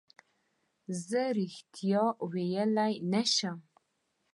چې زه رښتیا ویلی نه شم.